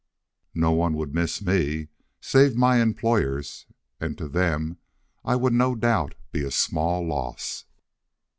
No one would miss me, save my employers, and to them I would no doubt be small loss.